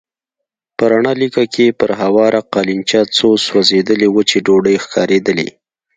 په رڼه لېکه کې پر هواره قالينچه څو سوځېدلې وچې ډوډۍ ښکارېدلې.